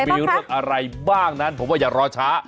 มีเรื่องอะไรบ้างนั้นผมว่าอย่ารอช้า